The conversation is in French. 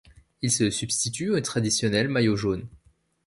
Il se substitue au traditionnel maillot jaune.